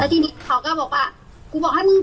แล้วทีนี้เขาก็บอกว่า